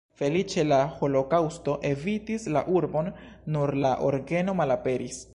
Feliĉe la holokaŭsto evitis la urbon, nur la orgeno malaperis.